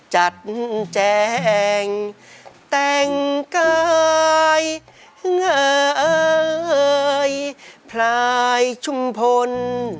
แจงแต่งกายเงยพลายชุมพล